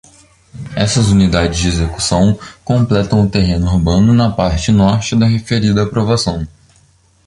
Essas unidades de execução completam o terreno urbano na parte norte da referida aprovação.